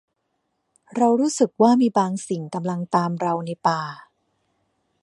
เรารู้สึกว่ามีบางสิ่งกำลังตามเราในป่า